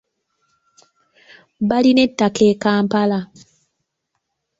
Balina ettaka e Kampala.